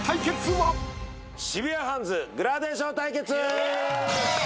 渋谷ハンズグラデーション対決！